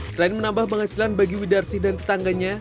selain menambah penghasilan bagi widarsi dan tetangganya